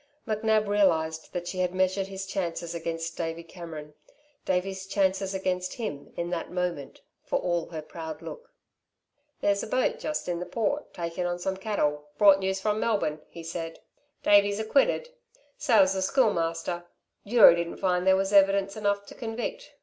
McNab realised that she had measured his chances against Davey Cameron, Davey's chances against him, in that moment, for all her proud look. "There's a boat just in the Port takin' on some cattle brought news from Melbourne," he said. "Davey's acquitted. So is the Schoolmaster. Jury didn't find there was evidence enough to convict.